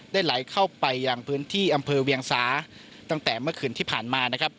ไหลเข้าไปอย่างพื้นที่อำเภอเวียงสาตั้งแต่เมื่อคืนที่ผ่านมานะครับ